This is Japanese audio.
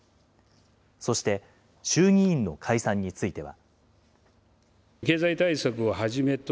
そして、衆議院の解散については。